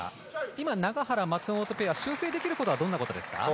今、永原、松本ペア修正できることはどんなことですか？